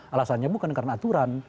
alasannya bukan karena aturan